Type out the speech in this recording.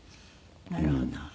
なるほど。